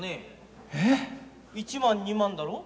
えっ⁉１万２万だろ？